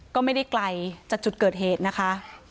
ก็ไม่ได้ไกลจากจุดเกิดเหตุนะคะ